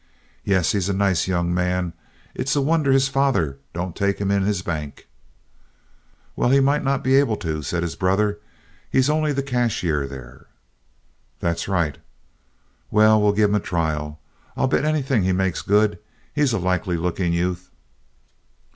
"Yes, he's a nice young man. It's a wonder his father don't take him in his bank." "Well, he may not be able to," said his brother. "He's only the cashier there." "That's right." "Well, we'll give him a trial. I bet anything he makes good. He's a likely looking youth."